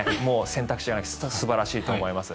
選択肢がなくて素晴らしいと思います。